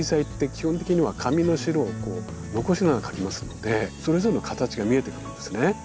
基本的には紙の白を残しながら描きますのでそれぞれの形が見えてくるんですね。